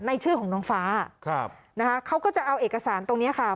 ชื่อของน้องฟ้าครับนะคะเขาก็จะเอาเอกสารตรงเนี้ยค่ะ